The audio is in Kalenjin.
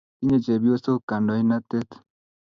tinye chepyosok kandoinatet